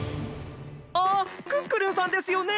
あっクックルンさんですよね？